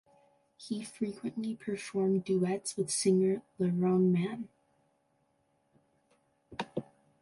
He frequently performed duets with singer Lorene Mann.